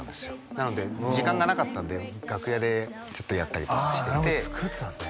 なので時間がなかったんで楽屋でやったりとかしててなるほど作ってたんですね